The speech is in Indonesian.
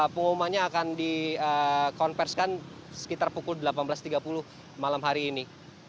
pengumumannya akan dikonversikan sekitar pukul delapan belas tiga puluh malam hari ini